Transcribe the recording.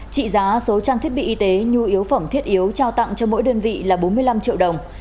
trị giá số trang thiết bị y tế nhu yếu phẩm thiết yếu trao tặng cho mỗi đơn vị là bốn mươi năm triệu đồng